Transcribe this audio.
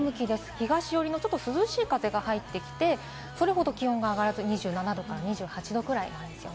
東寄りのちょっと涼しい風が入ってきて、それほど気温が上がらず、２７度から２８度くらいです。